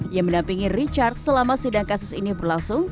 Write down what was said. yang mendampingi richard selama sidang kasus ini berlangsung